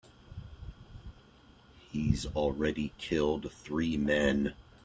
He's already killed three men.